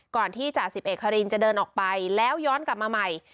ก่อนที่จ่าสิบเอกคารินจะเดินออกไปแล้วย้อนกลับมาใหม่